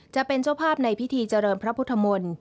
จะเป็นเจ้าภาพในพิธีเจริญพระพุทธมนตร์